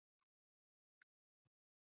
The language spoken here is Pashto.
برزو اغوستل په ژمي کي ښه وي.